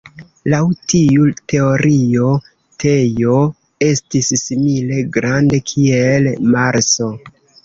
Laŭ tiu teorio Tejo estis simile grande kiel Marso.